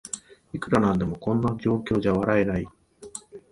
いくらなんでもこんな状況じゃ笑えない